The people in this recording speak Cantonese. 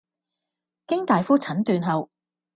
經大夫診斷後